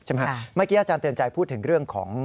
เมื่อกี้อาจารย์เตือนใจพูดถึงเรื่องของ